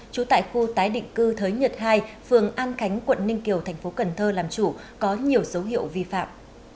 trú tại khu tái định cư thới nhật hai phường an khánh quận ninh kiều thành phố cần thơ làm chủ có nhiều dấu hiệu vi phạm